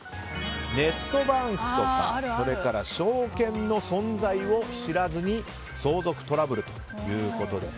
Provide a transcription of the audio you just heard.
ネットバンクとか証券の存在を知らずに相続トラブルということで。